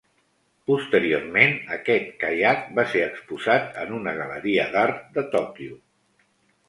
Posteriorment, aquest Caiac va ser exposat en una galeria d'art de Tòquio.